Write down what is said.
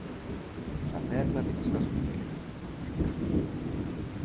La terra veniva su nera.